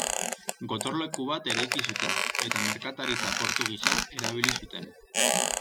Gotorleku bat eraiki zuten, eta merkataritza-portu gisa erabili zuten.